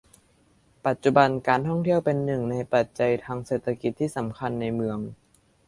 ปัจจุบัน การท่องเที่ยวเป็นหนึ่งในปัจจัยทางเศรษฐกิจที่สำคัญในเมือง